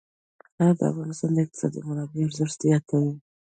انار د افغانستان د اقتصادي منابعو ارزښت زیاتوي.